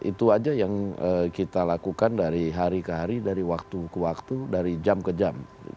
itu aja yang kita lakukan dari hari ke hari dari waktu ke waktu dari jam ke jam